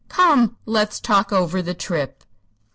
Come! let's talk over the trip."